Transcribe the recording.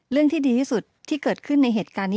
เรื่องที่ดีที่สุดที่เกิดขึ้นในเหตุการณ์นี้